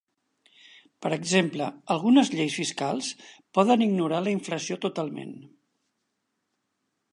Per exemple, algunes lleis fiscals poden ignorar la inflació totalment.